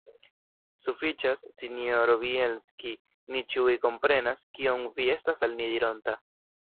Sufiĉas, sinjoro Bjelski; ni ĉiuj komprenas, kion vi estas al ni dironta.